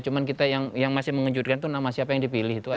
cuma kita yang masih mengejutkan itu nama siapa yang dipilih itu aja